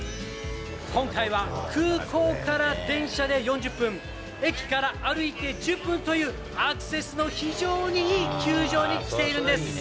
今回は空港から電車で４０分、駅から歩いて１０分という、アクセスの非常にいい球場に来ているんです。